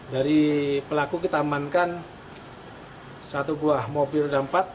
dari pelaku kita membankan satu buah mobil dampak